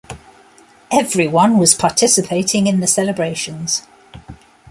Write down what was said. Everyone was participating in the celebrations.